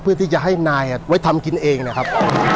เพื่อที่จะให้นายไว้ทำกินเองนะครับ